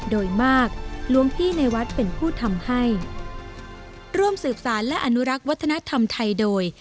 โดยมากหลวงพี่ในวัดเป็นผู้ทำให้ร่วมสืบสารและอนุรักษ์วัฒนธรรมไทยโดย